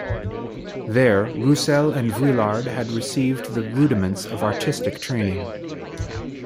There, Roussel and Vuillard received the rudiments of artistic training.